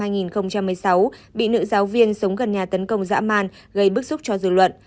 bị nữ giáo viên sống gần nhà tấn công dã man gây bức xúc cho dự luận